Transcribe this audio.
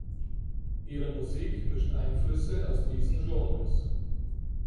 Ihre Musik mischt Einflüsse aus diesen Genres.